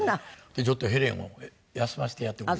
ちょっとヘレンを休ませてやってくれと。